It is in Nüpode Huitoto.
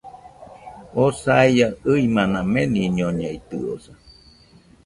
Oo saia, ɨimana meniñoñeitɨosa